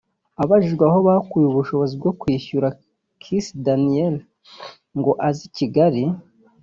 Abajijwe aho bakuye ubushobozi bwo kwishyura Kiss Daniel ngo aze i Kigali